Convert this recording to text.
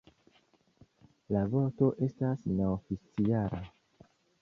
La vorto estas neoficiala.